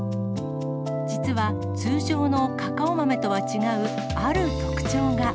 実は、通常のカカオ豆とは違うある特徴が。